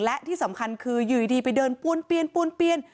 และที่สำคัญคืออยู่ดีไปเดินป้วนเปลี่ยนป้วนเปลี่ยน